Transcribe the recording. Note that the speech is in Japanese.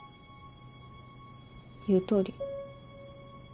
言うとおり。